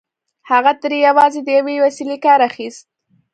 هغه ترې یوازې د یوې وسيلې کار اخيست